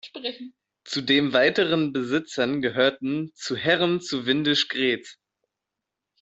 Zu dem weiteren Besitzern gehörten zu Herren zu Windisch-Graetz.